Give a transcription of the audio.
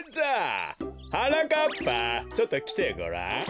はなかっぱちょっときてごらん。